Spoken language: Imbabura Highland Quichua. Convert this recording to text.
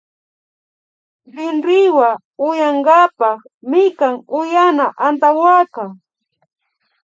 Rinrinwa uyankapak mikan uyana antawaka